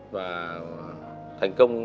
và thành công